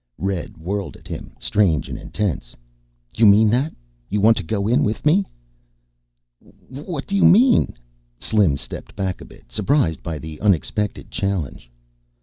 Red whirled at him, strange and intense. "You meant that? You want to go in with me?" "What do you mean?" Slim stepped back a bit, surprised by the unexpected challenge.